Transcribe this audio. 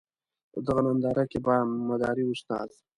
په دغه ننداره کې به مداري استاد.